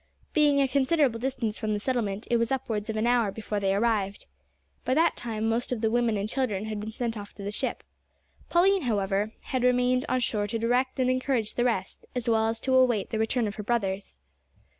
Being a considerable distance from the settlement, it was upwards of an hour before they arrived. By that time most of the women and children had been sent off to the ship. Pauline, however, had remained on shore to direct and encourage the rest, as well as to await the return of her brothers.